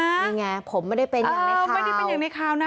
นี่ไงผมไม่ได้เป็นอย่างนี้เขาไม่ได้เป็นอย่างในข่าวนะ